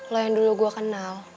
lo yang dulu gue kenal